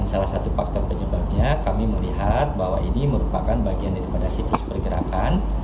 salah satu faktor penyebabnya kami melihat bahwa ini merupakan bagian daripada siklus pergerakan